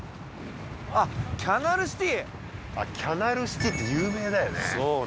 あっキャナルシティキャナルシティって有名だよね